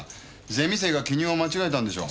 ゼミ生が記入を間違えたんでしょう。